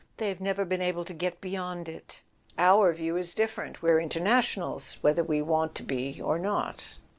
They've never been able to get beyond it. Our whole view is different: we're internationals, whether we want to be or not."